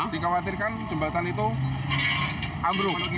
dikawatirkan jembatan itu ambruk